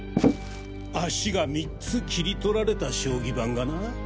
脚が３つ切り取られた将棋盤がな。